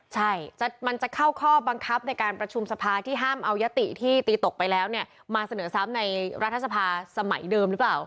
ใช่มันจะเข้าข้อบังคับในการประชุมสภาที่ห้ามเอายติที่ตีตกไปแล้วเนี่ยมาเสนอซ้ำในรัฐสภาสมัยเดิมหรือเปล่า